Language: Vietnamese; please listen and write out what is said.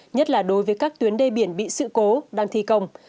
nhất là đối với các tuyến đê biển bị sự cố đang thi công